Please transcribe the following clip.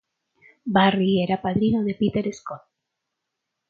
Barrie era el padrino de Peter Scott.